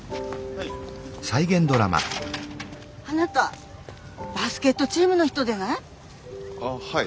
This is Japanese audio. あなたバスケットチームの人でない？